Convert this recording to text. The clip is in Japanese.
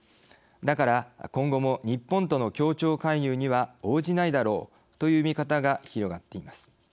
だから今後も日本との協調介入には応じないだろう」という見方が広がっています。